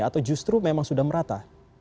atau justru memang sudah merata